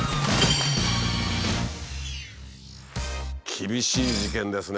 厳しい事件ですね